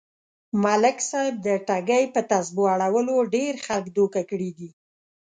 ملک صاحب د ټگۍ يه تسبو اړولو ډېر خلک دوکه کړي دي.